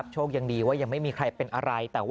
ผลตกหนักขึ้นทีนี้ก็คือว่าน้ำมันคือมันจะชุ่มน้ำอีกแล้ว